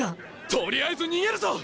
取りあえず逃げるぞ！